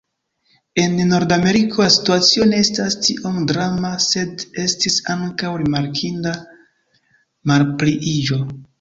En Nordameriko la situacio ne estas tiom drama, sed estis ankaŭ rimarkinda malpliiĝo.